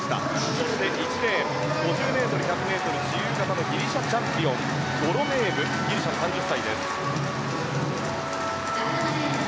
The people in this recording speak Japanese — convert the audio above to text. そして１レーン５０ｍ、１００ｍ、自由形のギリシャチャンピオンゴロメーブ、３０歳です。